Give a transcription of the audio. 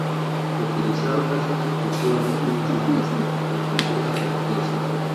Utilizado casi exclusivamente en las bandas y con poca frecuencia.